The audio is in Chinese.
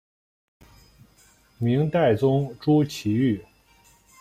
明代宗朱祁钰。